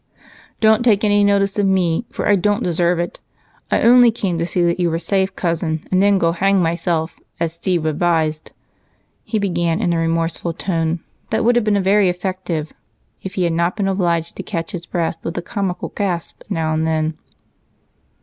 "Don't take any notice of me, for I don't deserve it. I only came to see that you were safe, Cousin, and then go hang myself, as Steve advised," he began in a remorseful tone that would have been very effective if he had not been obliged to catch his breath with a comical gasp now and then.